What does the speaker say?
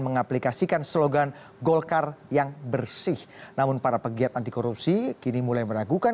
mengaplikasikan slogan golkar yang bersih namun para pegiat anti korupsi kini mulai meragukan